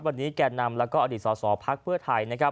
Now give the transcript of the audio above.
วันนี้แก่นำและอดีตสอสอภักดิ์เพื่อไทย